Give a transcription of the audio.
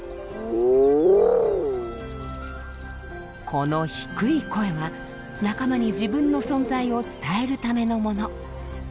この低い声は仲間に自分の存在を伝えるためのもの。